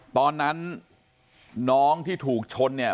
ตอนนั้นน้องที่ถูกชนเนี่ย